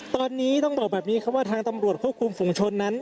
ตอนนี้ต้องบอกแบบนี้ครับว่าทางตำรวจควบคุมฝุงชนนั้น